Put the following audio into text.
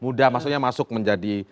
mudah maksudnya masuk menjadi